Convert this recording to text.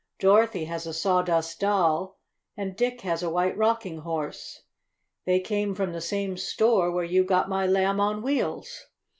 "Dorothy has a Sawdust Doll, and Dick has a White Rocking Horse. They came from the same store where you got my Lamb on Wheels!"